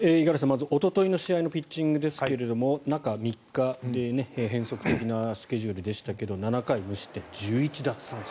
まず、おとといの試合のピッチングですが中３日という変則的なスケジュールでしたけど７回無失点１１奪三振。